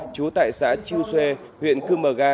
chú tại xã chiêu xê huyện cư mờ ga